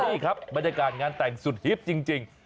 นี่ครับบรรยากาศงานแต่งสุดฮิตจริง